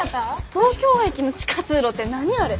東京駅の地下通路って何あれ。